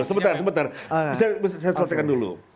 sebentar sebentar saya selesaikan dulu